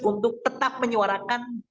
untuk tetap menyuarakan